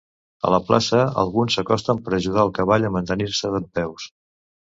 A la plaça, alguns s'acosten per ajudar al cavall a mantenir-se dempeus.